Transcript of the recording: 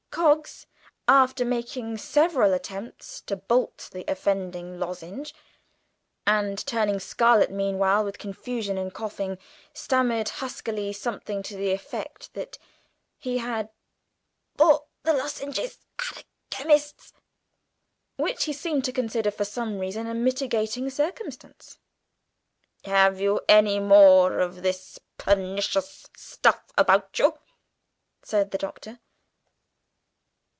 Coggs, after making several attempts to bolt the offending lozenge, and turning scarlet meanwhile with confusion and coughing, stammered huskily something to the effect that he had "bought the lozenges at a chemist's," which he seemed to consider, for some reason, a mitigating circumstance. "Have you any more of this pernicious stuff about you?" said the Doctor.